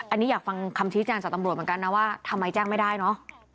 อันนี้อยากฟังคำชี้แจงจากตำรวจเหมือนกันนะว่าทำไมแจ้งไม่ได้เนอะ